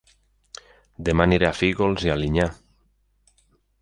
Dema aniré a Fígols i Alinyà